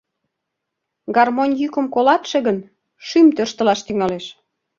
Гармонь йӱкым колатше гын, шӱм тӧрштылаш тӱҥалеш.